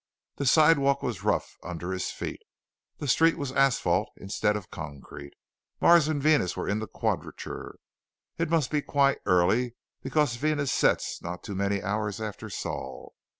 The sidewalk was rough under his feet. The street was asphalt instead of concrete. Mars and Venus were in quadrature it must be quite early because Venus sets not too many hours after Sol.